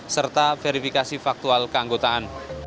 serta verifikasi faktual keanggotaan